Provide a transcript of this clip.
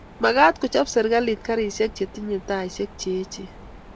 Magat kochob serkalit garisiek tinyei taisiek che eechen